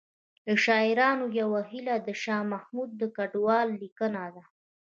له شاعرانو یوه هیله د شاه محمود کډوال لیکنه ده